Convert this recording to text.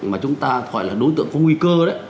mà chúng ta gọi là đối tượng có nguy cơ đấy